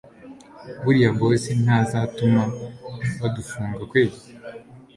buriya boss ntazatuma badufunga kweli